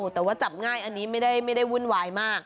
แต่ว่าจับง่ายอันนี้ไม่ได้วุ่นวายมาก